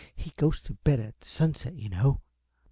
He goes to bed at sunset, you know."